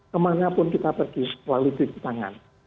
kemana pun kita pergi melalui cuci tangan